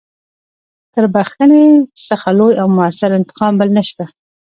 تر بخښنې څخه لوی او مؤثر انتقام بل نشته.